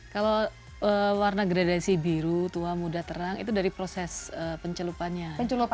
kalau warna gradasi biru tua muda terang itu dari proses pencelupannya